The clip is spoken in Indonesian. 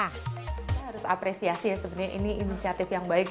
kita harus apresiasi ya sebenarnya ini inisiatif yang baik